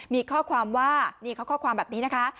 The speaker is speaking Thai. มีข้อความว่านี่เขาข้อความแบบนี้นะคะ